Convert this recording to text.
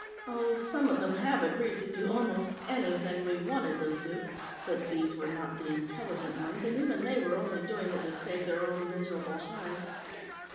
Oh, some of them have agreed to do almost anything we wanted them to, but these were not the intelligent ones, and even they were only doing it to save their own miserable hides.